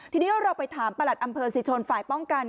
ทีนี้เราไปถามประหลัดอำเภอศรีชนฝ่ายป้องกัน